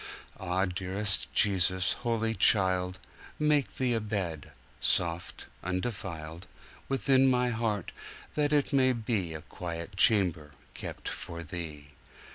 Ah! dearest Jesus, Holy Child, Make Thee a bed, soft, undefiled, Within my heart, that it may beA quiet chamber kept for Thee.